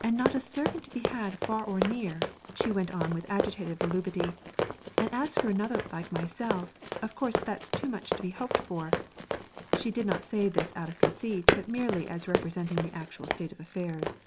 'And not a servant to be had far or near,' she went on with agitated volubility; 'and as for another like myself, of course that's too much to be hoped for.' She did not say this out of conceit, but merely as representing the actual state of affairs.